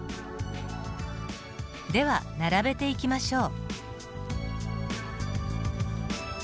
では並べていきましょう。